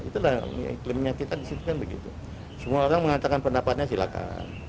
itu lah klaimnya kita disitu kan begitu semua orang mengatakan pendapatnya silakan